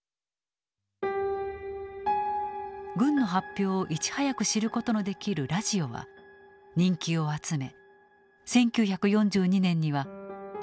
軍の発表をいち早く知ることのできるラジオは人気を集め１９４２年には全国の半分の世帯にまで行き渡った。